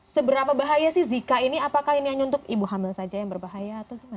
seberapa bahaya sih zika ini apakah ini hanya untuk ibu hamil saja yang berbahaya atau gimana